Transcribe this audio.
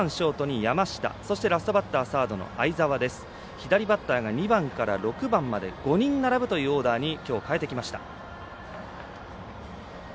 左バッターが２番から６番まで５人並ぶというオーダーにきょう変えてきました。